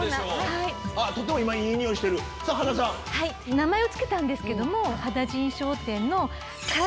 名前を付けたんですけど。